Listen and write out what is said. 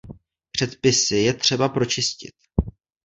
Předpisy je třeba pročistit.